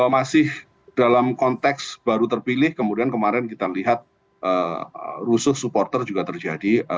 masih dalam konteks baru terpilih kemudian kemarin kita lihat rusuh supporter juga terjadi